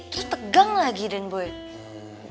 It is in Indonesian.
terus tegang lagi dan boy